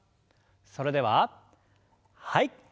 それでははい。